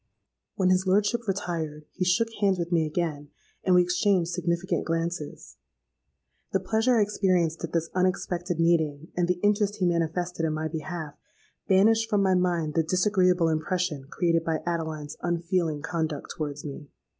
"When his lordship retired, he shook hands with me again, and we exchanged significant glances. The pleasure I experienced at this unexpected meeting, and the interest he manifested in my behalf, banished from my mind the disagreeable impression created by Adeline's unfeeling conduct towards me.